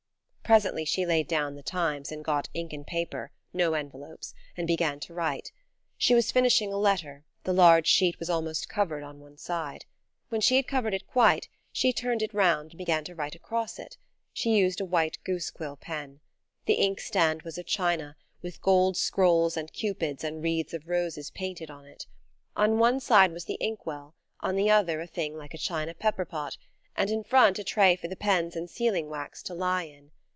Presently she laid down the Times and got ink and paper–no envelopes–and began to write. She was finishing a letter, the large sheet was almost covered on one side. When she had covered it quite, she turned it round and began to write across it. She used a white goose quill pen. The inkstand was of china, with gold scrolls and cupids and wreaths of roses painted on it. On one side was the ink well, on the other a thing like a china pepper pot, and in front a tray for the pens and sealing wax to lie in.